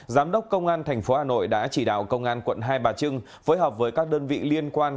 giám đốc công an tp hà nội đã chỉ đạo công an quận hai bà trưng phối hợp với các đơn vị liên quan